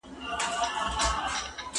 که میندې پوهې وي نو ماشومان به ناروغه نه وي.